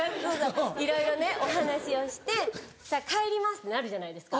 いろいろねお話をして帰りますってなるじゃないですか。